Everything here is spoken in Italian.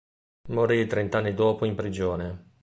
Morì trent'anni dopo in prigione.